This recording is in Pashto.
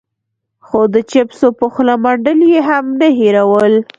خو د چېپسو په خوله منډل يې هم نه هېرول.